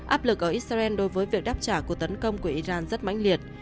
áp lực ở israel đối với việc đáp trả cuộc tấn công của iran rất mãnh liệt